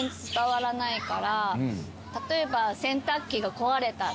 例えば。